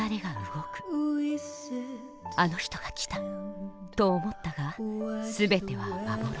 『あの人が来た』と思ったが全ては幻。